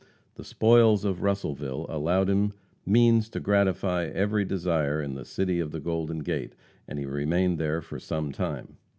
The spoils of Russellville allowed him means to gratify every desire in the "City of the Golden Gate," and he remained there for some time.